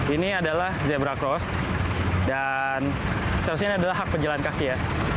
ini adalah zebra cross dan seharusnya ini adalah hak penjalan kaki ya